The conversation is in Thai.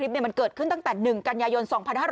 มันเกิดขึ้นตั้งแต่๑กันยายน๒๕๕๙